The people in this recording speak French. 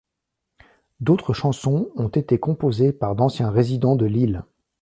D'autres chansons ont été composées par d'anciens résidents de l'île.